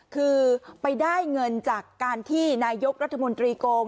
คือไปได้เงินจากการที่นายกรัฐมนตรีโกง